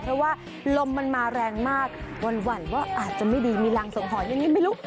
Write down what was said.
เพราะว่าลมมันมาแรงมากหวั่นว่าอาจจะไม่ดีมีรังสงหอนอย่างนี้ไม่รู้